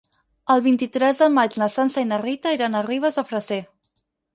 El vint-i-tres de maig na Sança i na Rita iran a Ribes de Freser.